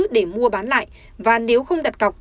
để mua bán lại và nếu không đặt cọc